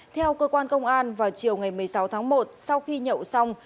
theo cơ quan công an vào chiều ngày một mươi sáu tháng một sau khi nhậu xong